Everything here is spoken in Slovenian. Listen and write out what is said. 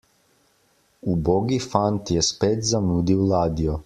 Ubogi fant je spet zamudil ladjo.